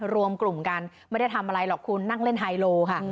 รวมกลุ่มกันไม่ได้ทำอะไรหรอกคุณนั่งเล่นไฮโลค่ะ